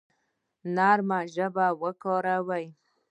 نرمه ژبه کاروئ